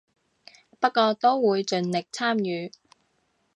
不過都會盡力參與